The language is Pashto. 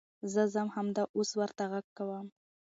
زه ځم همدا اوس ورته غږ کوم .